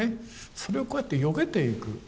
それをこうやってよけていく。